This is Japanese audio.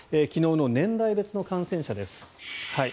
昨日の年代別の感染者です。